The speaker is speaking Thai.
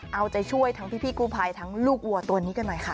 เอาใจช่วยทั้งพี่กู้ภัยทั้งลูกวัวตัวนี้กันหน่อยค่ะ